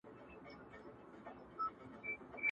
o چي نه دي وي په خوا، هغه سي تا ته بلا٫